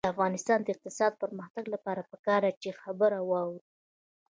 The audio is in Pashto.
د افغانستان د اقتصادي پرمختګ لپاره پکار ده چې خبره واورو.